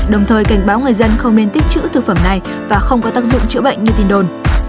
đồng thời cảnh báo người dân không nên tích chữ thực phẩm này và không có tác dụng chữa bệnh như tin đồn